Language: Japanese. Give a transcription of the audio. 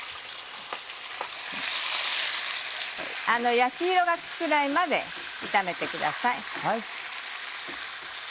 焼き色がつくぐらいまで炒めてください。